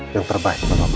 yang terbaik untuk papa